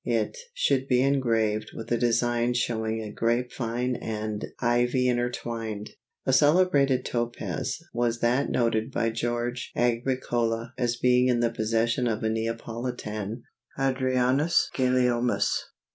It should be engraved with a design showing a grape vine and ivy intertwined. A celebrated topaz was that noted by George Agricola as being in the possession of a Neapolitan, Hadrianus Gulielmus.